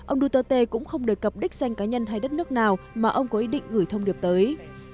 ông duterte cũng không đề cập đích danh cá nhân hay đất nước nào mà ông có ý định gửi thông điệp tới